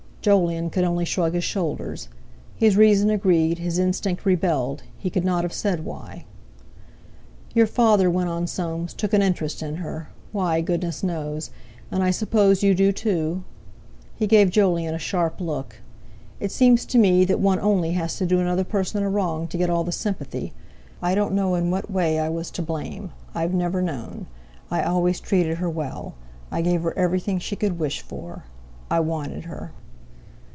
Jolyon could only shrug his shoulders. His reason agreed, his instinct rebelled; he could not have said why. "Your father," went on Soames, "took an interest in her—why, goodness knows! And I suppose you do too?" he gave Jolyon a sharp look. "It seems to me that one only has to do another person a wrong to get all the sympathy. I don't know in what way I was to blame—I've never known. I always treated her well. I gave her everything she could wish for. I wanted her."